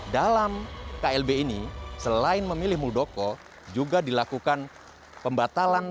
dalam klb ini selain memilih muldoko juga dilakukan pembatalan